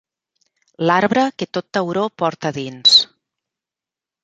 L'arbre que tot tauró porta dins.